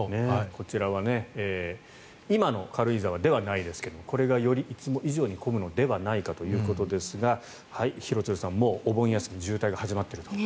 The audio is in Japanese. こちらは今の軽井沢ではないですがこれがより、いつも以上に混むのではないかということですが廣津留さん、もうお盆休み渋滞が始まっていると。